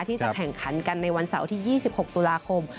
ที่จะแข่งขันกันในวันเสาร์ที่๒๖ตุลาคม